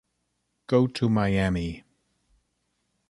Go to Miami.